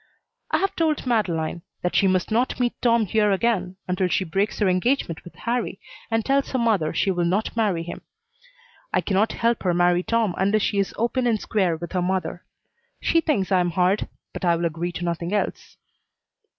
I have told Madeleine that she must not meet Tom here again until she breaks her engagement with Harrie and tells her mother she will not marry him. I cannot help her marry Tom unless she is open and square with her mother. She thinks I am hard, but I will agree to nothing else.